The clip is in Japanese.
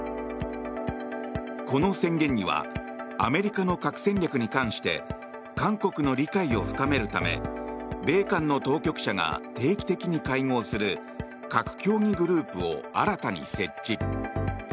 この宣言にはアメリカの核戦略に関して韓国の理解を深めるため米韓の当局者が定期的に会合する核協議グループを新たに設置。